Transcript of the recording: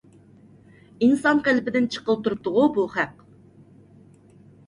ئىنسان قېلىپىدىن چىققىلى تۇرۇپتىغۇ بۇ خەق.